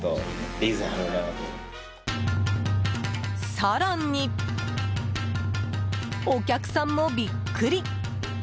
更に、お客さんもビックリ。